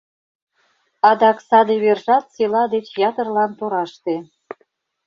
Адак саде вержат села деч ятырлан тораште.